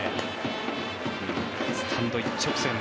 スタンド一直線。